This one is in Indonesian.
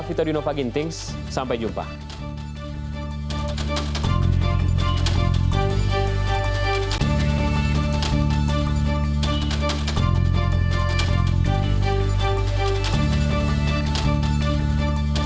kisah petugas kebersihan seakan menjadi epos menandingi berita yang terjadi di indonesia